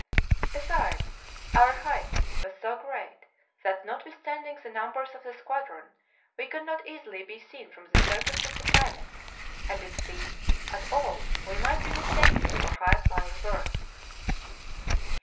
Besides, our height was so great that notwithstanding the numbers of the squadron, we could not easily be seen from the surface of the planet, and if seen at all we might be mistaken for high flying birds.